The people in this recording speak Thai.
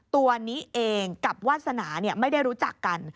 ตัวนี้เองกับวาสนาไม่ได้รู้จักกัน